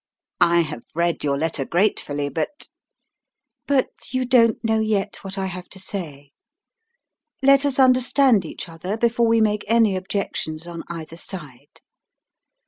"I have read your letter gratefully, but " "But you don't know yet what I have to say. Let us understand each other before we make any objections on either side.